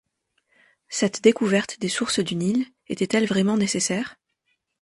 Cette découverte des sources du Nil était-elle vraiment nécessaire?...